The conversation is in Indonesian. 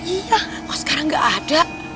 iya kok sekarang gak ada